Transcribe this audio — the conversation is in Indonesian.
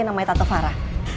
namanya tante farah